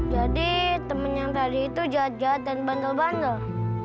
jadi teman yang tadi itu jahat jahat dan bandel bandel